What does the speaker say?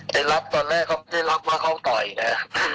ไปรับตอนแรกเขาไม่ได้รับว่าเขาต่อยนะ